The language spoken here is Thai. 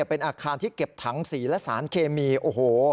เป็นอาคารที่เก็บถังสีและสารเคมีโอ้โห